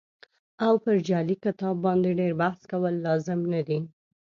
او پر جعلي کتاب باندې ډېر بحث کول لازم نه دي.